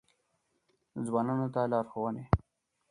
ځوانانو ته لارښوونې: